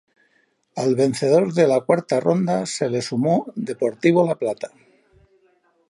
Al vencedor de la Cuarta Ronda se le sumó Deportivo La Plata.